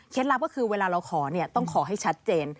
ลับก็คือเวลาเราขอเนี่ยต้องขอให้ชัดเจน